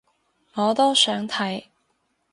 我都想睇